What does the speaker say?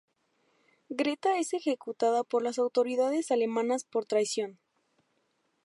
Greta es ejecutada por las autoridades alemanas por traición.